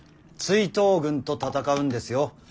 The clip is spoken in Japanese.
追討軍と戦うんですよ。